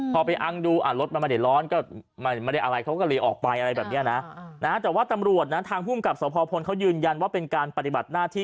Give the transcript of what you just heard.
พอไปอ้างดูอ่ารถมันมันต์หรอดก็มันไม่ได้อะไร